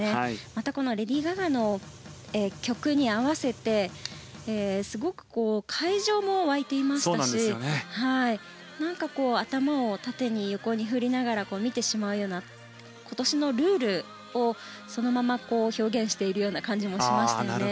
また、レディー・ガガの曲に合わせてすごく会場も沸いていましたし頭を縦に横に振りながら見てしまうような今年のルールをそのまま表現しているような感じもしましたね。